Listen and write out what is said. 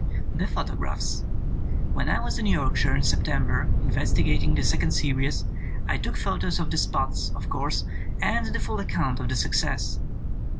"The photographs: "When I was in Yorkshire in September investigating the second series, I took pho tos of the spots, of course, and the full ac count of the success.